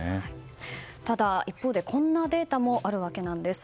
ただ、一方でこんなデータもあるわけなんです。